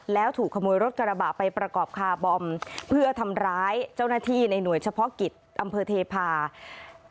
แล้วถูกขโมยรถกระบะไปประกอบคาร์บอมเพื่อทำร้ายเจ้าหน้าที่ในหน่วยเฉพาะกิจอำเภอเทพา